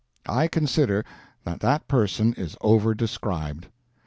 I consider that that person is over described.